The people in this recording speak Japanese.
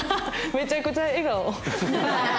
めちゃくちゃ笑顔。